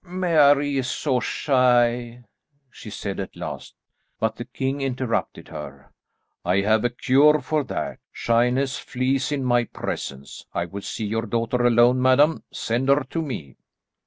"Mary is so shy," she said at last. But the king interrupted her. "I have a cure for that. Shyness flees in my presence. I would see your daughter alone, madam; send her to me."